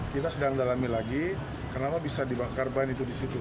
kita sedang mendalami lagi kenapa bisa dibakar ban itu disitu